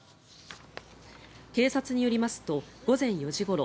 警察によりますと午前４時ごろ